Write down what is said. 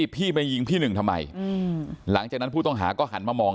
พี่มายิงพี่หนึ่งทำไมหลังจากนั้นผู้ต้องหาก็หันมามอง